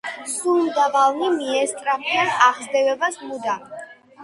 სულმდაბალნი მიესწრაფიან აღზევებას მუდამ.